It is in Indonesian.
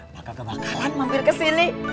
mak gak bakalan mampir kesini